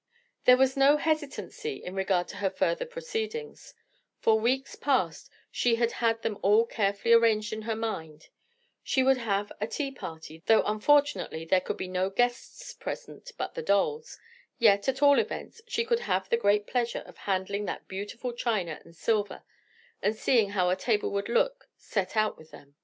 There was no hesitancy in regard to her further proceedings; for weeks past, she had had them all carefully arranged in her mind; she would have a tea party, though, unfortunately, there could be no guests present but the dolls; yet at all events, she could have the great pleasure of handling that beautiful china and silver and seeing how a table would look set out with them.